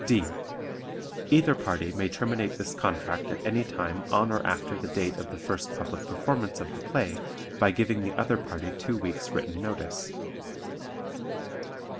D. Either party may terminate this contract at any time on or after the date of the first public performance of the play by giving the other party two weeks' written notice.